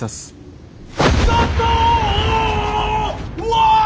うわ！